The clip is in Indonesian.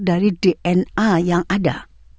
dari dna yang ada